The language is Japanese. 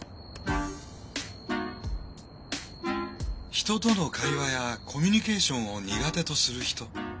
人との会話やコミュニケーションを苦手とする人。